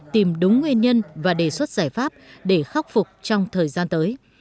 tìm đúng nguyên nhân và đề xuất giải pháp để khắc phục trong thời gian tới